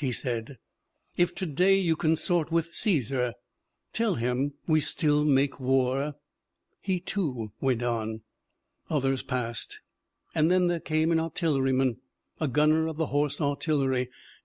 he said. 'If to day you consort with Caesar, tell him we still make war/ He, too, went on. "Others passed, and then there came an artillery man, a gunner of the Horse Artillery.